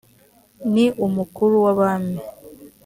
ni umukuru w’ abami.